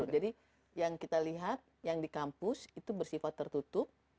jadi yang kita lihat yang di kampus itu bersifat tertutup